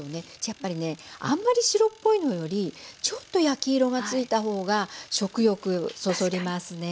やっぱりねあんまり白っぽいのよりちょっと焼き色が付いた方が食欲そそりますね。